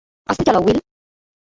আস্তে চালাও, উইল।